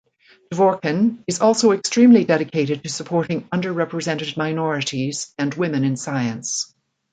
Dvorkin is also extremely dedicated to supporting underrepresented minorities and women in science.